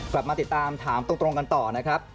กลับมาติดตามถามตรงกันต่อนะครับ